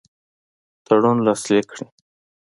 تړون لاسلیک کړي.